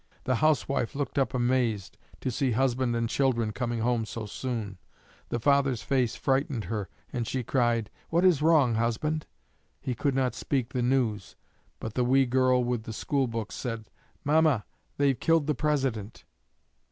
The housewife looked up amazed to see husband and children coming home so soon. The father's face frightened her and she cried, 'What is wrong, husband?' He could not speak the news, but the wee girl with the school books said, 'Mamma, they've killed the President.'